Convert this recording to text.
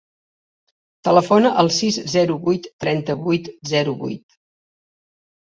Telefona al sis, zero, vuit, trenta, vuitanta, zero, vuit.